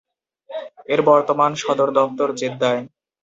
এর বর্তমান সদর দফতর জেদ্দায়।